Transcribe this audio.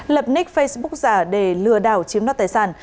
lập nick facebook giả để lừa đảo chiếm đoạt tài sản